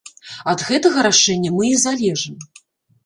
Ад гэтага рашэння мы і залежым.